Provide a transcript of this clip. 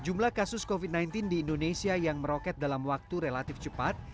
jumlah kasus covid sembilan belas di indonesia yang meroket dalam waktu relatif cepat